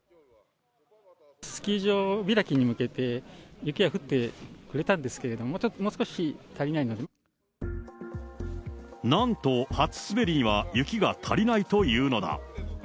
スキー場開きに向けて、雪は降ってくれたんですけれども、もなんと、初滑りには雪が足りないというのだ。